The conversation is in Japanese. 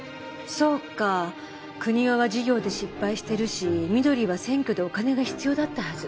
そうか久仁雄は事業で失敗してるしみどりは選挙でお金が必要だったはず。